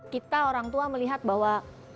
kita orang tua melihat bahwa